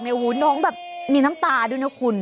โอ้โหน้องแบบมีน้ำตาด้วยนะคุณ